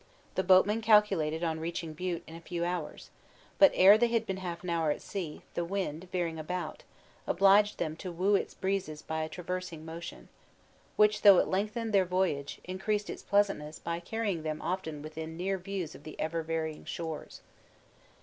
The boatmen calculated on reaching Bute in a few hours; but ere they had been half an hour at sea, the wind, veering about, obliged them to woo its breezes by a traversing motion, which, though it lengthened their voyage, increased its pleasantness by carrying them often within near views of the ever varying shores.